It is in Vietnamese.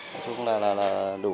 nói chung là đủ